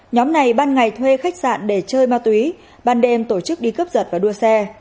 nhóm này ban ngày thuê khách sạn để chơi ma túy ban đêm tổ chức đi cướp giật và đua xe